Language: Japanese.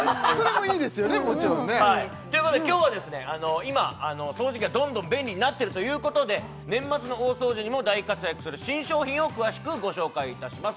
もちろんね今日は今掃除機がどんどん便利になっているということで年末の大掃除にも大活躍する新商品を詳しくご紹介いたします